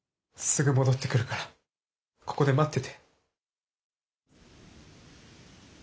すぐ戻ってくるからここで待ってて。